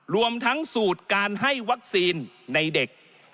รวมทั้งสูตรการให้วัคซีนในเด็ก